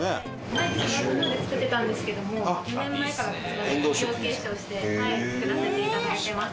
前違うところで作ってたんですけども４年前からうちが事業継承して作らせていただいてます。